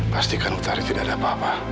pastikan petani tidak ada apa apa